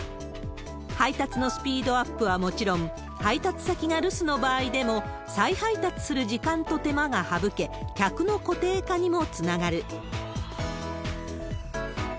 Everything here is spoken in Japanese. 配達のスピードアップはもちろん、配達先が留守の場合でも、再配達する時間と手間が省け、客の固定化にもつながる。